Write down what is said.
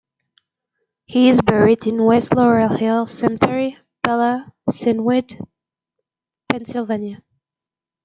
He is buried in West Laurel Hill Cemetery, Bala Cynwyd, Pennsylvania.